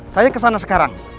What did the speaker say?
saya kesana sekarang